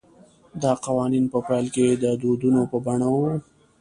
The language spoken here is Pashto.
دا قوانین په پیل کې د دودونو په بڼه وو